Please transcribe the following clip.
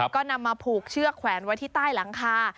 ก็นำมาผูกเชือกแขวนไว้ที่ใต้หลังคา